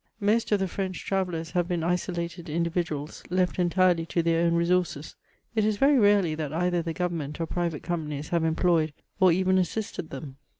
Most of the French travellers have been isolated indi viduals, left entirely to their own resources — it is very rarely that either the Government or private Companies have employed, or even assisted them.